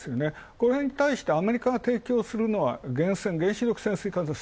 これに対してアメリカが提供するのは、原子力潜水艦です。